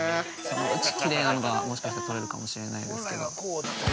◆そのうち、きれいなのが、もしかしたら撮れるかもしれないですけど。